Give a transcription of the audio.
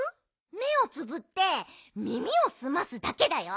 めをつぶってみみをすますだけだよ。